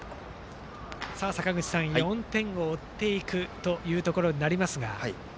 坂口さん、４点を追っていくところになりますが。